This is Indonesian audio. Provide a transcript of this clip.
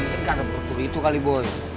gak ada peduli itu kali boy